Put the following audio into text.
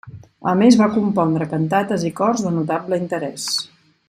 A més va compondre cantates i cors de notable interès.